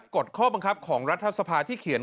กฎข้อบังคับของรัฐสภาที่เขียน